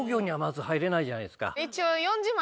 一応。